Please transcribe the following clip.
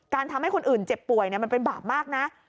ทำให้คนอื่นเจ็บป่วยมันเป็นบาปมากนะ